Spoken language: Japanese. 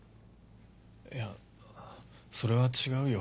いやそれは違うよ。